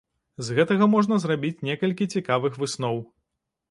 З гэтага можна зрабіць некалькі цікавых высноў.